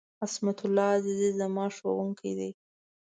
عصمت الله عزیزي ، زما ښوونکی دی.